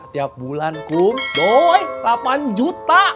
tiap bulan kum doi delapan juta